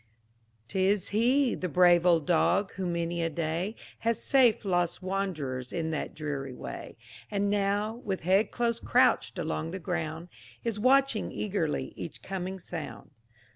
'T is he the brave old dog, who many a day Hath saved lost wand'rers in that dreary way; And now, with head close crouched along the ground, Is watching eagerly each coming sound.